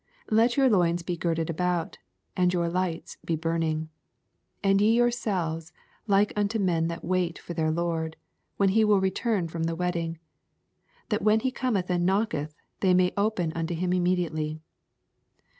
85 X^et your loins be girded about, and your lights be burnmg ; 86 Andye yourselves like unto men that wait for their Lord, when he will return from the wedding ; that when he Cometh and knocketh, they may ?pen unto him immediately.